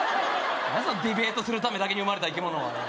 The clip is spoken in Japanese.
何やそのディベートするためだけに生まれた生き物はよ